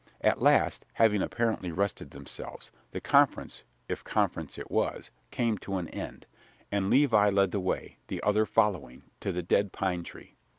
At last, having apparently rested themselves, the conference, if conference it was, came to an end, and Levi led the way, the other following, to the dead pine tree.